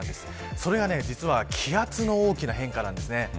それが実は気圧の大きな変化です。